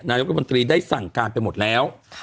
นายกรัฐมนตรีได้สั่งการไปหมดแล้ว